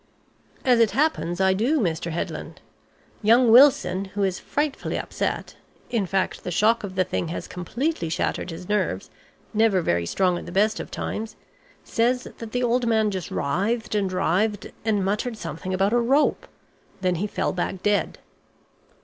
"As it happens I do, Mr. Headland. Young Wilson, who is frightfully upset in fact the shock of the thing has completely shattered his nerves, never very strong at the best of times says that the old man just writhed and writhed, and muttered something about a rope. Then he fell back dead."